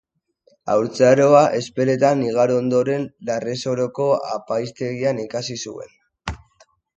Haurtzaroa Ezpeletan igaro ondoren, Larresoroko apaiztegian ikasi zuen.